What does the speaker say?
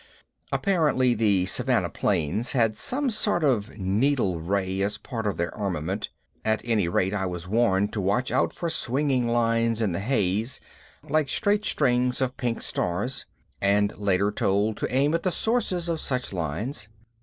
Apparently the Savannah planes had some sort of needle ray as part of their armament at any rate I was warned to watch out for "swinging lines in the haze, like straight strings of pink stars" and later told to aim at the sources of such lines.